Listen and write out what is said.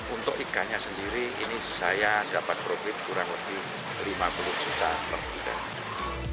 untuk ikannya sendiri ini saya dapat profit kurang lebih lima puluh juta per bulan